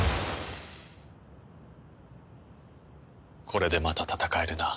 これでまた戦えるな。